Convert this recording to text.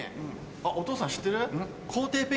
あっお父さん知ってる？